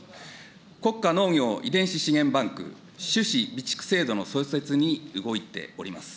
国家農業遺伝子資源バンク、種子備蓄制度の創設に動いております。